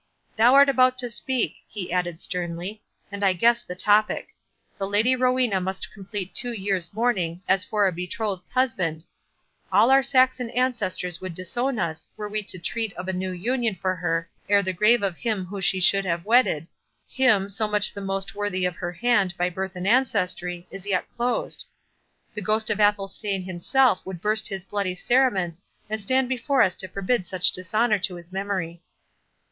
—Thou art about to speak," he added, sternly, "and I guess the topic. The Lady Rowena must complete two years' mourning, as for a betrothed husband—all our Saxon ancestors would disown us were we to treat of a new union for her ere the grave of him she should have wedded—him, so much the most worthy of her hand by birth and ancestry—is yet closed. The ghost of Athelstane himself would burst his bloody cerements and stand before us to forbid such dishonour to his memory."